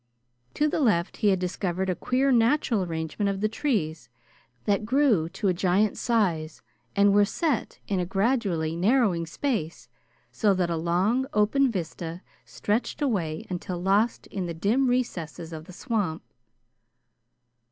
To the left he had discovered a queer natural arrangement of the trees, that grew to giant size and were set in a gradually narrowing space so that a long, open vista stretched away until lost in the dim recesses of the swamp.